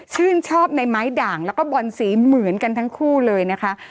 ชื่นชอบในไม้ด่างแล้วก็บอลสีเหมือนกันทั้งคู่เลยนะคะ